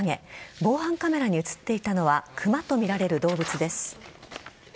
防犯カメラに映っていたのはクマとみられる動物です。